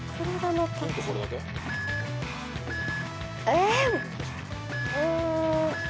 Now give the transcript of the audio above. え！